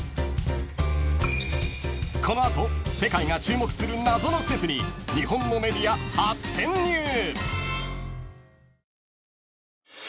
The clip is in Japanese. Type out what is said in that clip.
［この後世界が注目する謎の施設に日本のメディア初潜入］